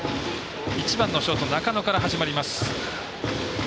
１番、ショートの中野から始まります。